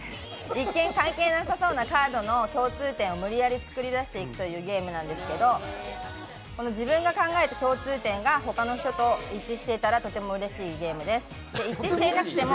一見関係なさそうなカードの共通点を無理やり見つけるゲームなんですけど自分が考えた共通点が他の人と一致してたらとてもうれしいゲームです。